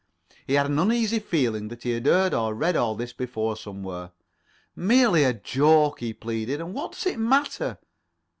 He had an uneasy feeling that he had heard or read all this before somewhere. "Merely a joke," he pleaded. "And what does it matter?"